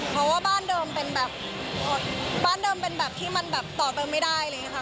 เพราะว่าบ้านเดิมเป็นแบบบ้านเดิมเป็นแบบที่มันแบบต่อเติมไม่ได้อะไรอย่างนี้ค่ะ